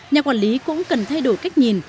nhà quản lý cũng cần thay đổi cách nhìn